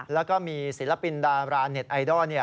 แล้วก็มีศิลปินดาราเน็ตไอดอล